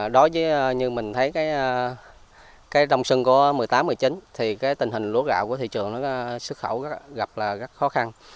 đối với như mình thấy cái đồng sân của một mươi tám một mươi chín thì cái tình hình lúa gạo của thị trường sức khẩu gặp là rất khó khăn